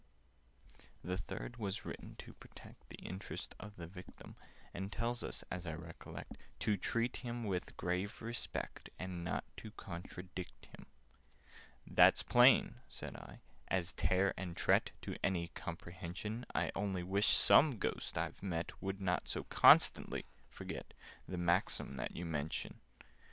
"The Third was written to protect The interests of the Victim, And tells us, as I recollect, To treat him with a grave respect, And not to contradict him." "That's plain," said I, "as Tare and Tret, To any comprehension: I only wish some Ghosts I've met Would not so constantly forget The maxim that you mention!"